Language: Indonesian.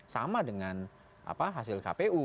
sama dengan hasil kpu